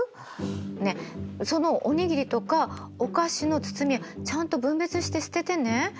ねっそのお握りとかお菓子の包みはちゃんと分別して捨ててね。